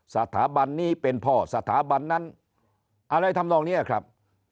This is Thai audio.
สถาบันนี้เป็นพ่อสถาบันนั้นอะไรทำนองนี้ครับ